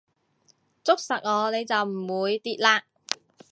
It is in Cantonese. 捉實我你就唔會跌啦